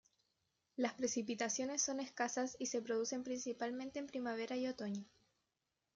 Las precipitaciones son escasas y se producen principalmente en primavera y otoño.